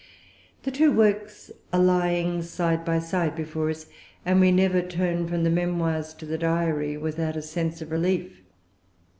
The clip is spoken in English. The two works are lying side by side before us; and we never turn from the Memoirs to the Diary without a sense of relief.